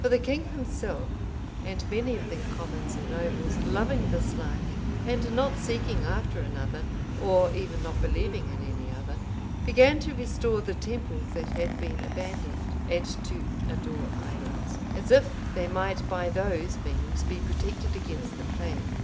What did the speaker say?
For the king himself, and many of the commons and nobles, loving this life, and not seeking after another, or even not believing in any other, began to restore the temples that had been abandoned, and to adore idols, as if they might by those means be protected against the plague.